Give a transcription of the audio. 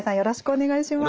お願いします。